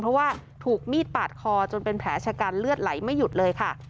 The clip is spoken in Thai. เพราะว่าถูกมีดปาดคอจนเป็นแผลชะกันเลือดไหลไม่หยุดเลยค่ะ